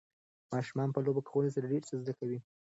ماشومان په لوبې کولو سره ډېر څه زده کوي.